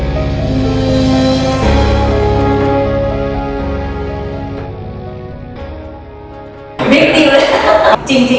ครอบเตือน